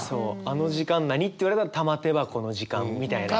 あの時間何？って言われたら玉手箱の時間みたいな。